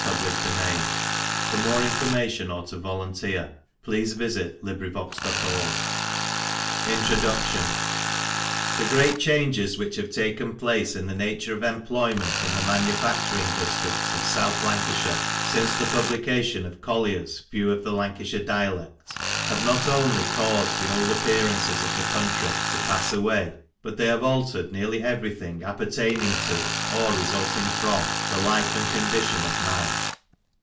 1850. :^ ma HBlWOODy 9SIXTXB, BSYWOOD. w b bh V 1 *<«.*• 4, *" t« •■ t C <« i. b b 'Cb C 1, V b INTBODUOTION. The great changes which have taken plalbe in the nature of employment in the manufacturing districts of South Lancashire, since the puhlication tf^^oUier's "View of the Lancashire Dialect," have not only caused the old appearances of the country to pass away^ but they have altered nearly every thing apper taining to, or resulting from, the life and condition of man.